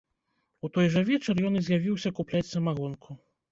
У той жа вечар ён і з'явіўся купляць самагонку.